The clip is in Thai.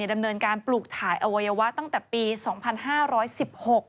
ดำเนินการปลูกถ่ายอวัยวะตั้งแต่ปี๒๕๑๖